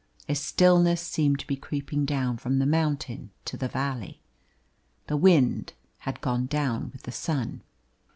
A stillness seemed to be creeping down from the mountain to the valley. The wind had gone down with the sun.